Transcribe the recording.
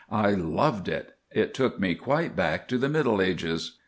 I loved it, it took me quite back to the middle ages."